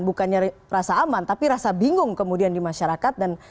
bukannya rasa aman tapi rasa bingung kemudian di masyarakat